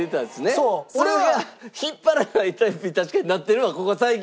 それが引っ張らないタイプに確かになってるのはここ最近。